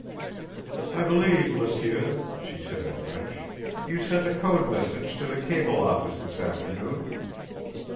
"I believe, Monsieur," she said in French, "you sent a code message to the cable office this afternoon?"